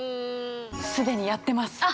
すでにやってます。